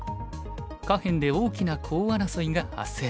下辺で大きなコウ争いが発生。